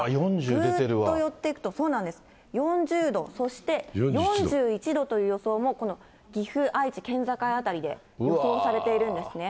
ぐっと寄っていくと、４０度、４１度という予想も、この岐阜、愛知、県境辺りで予想されているんですね。